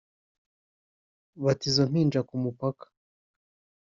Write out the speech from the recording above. bata izo mpinja ku mupaka